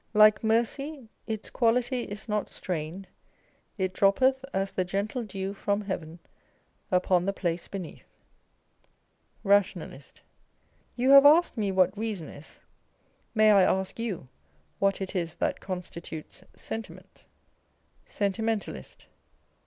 Like mercy, " its quality is not strained : it â€¢droppeth as the gentle dew from heaven upon the place beneath !" Rationalist. You have asked me what Reason is : may I ask you what it is that constitutes Sentiment ? Sentimentalist.